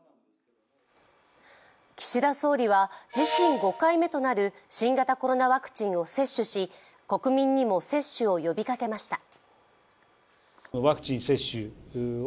岸田総理は自身５回目となる新型コロナワクチンを接種し国民にも接種を呼びかけました。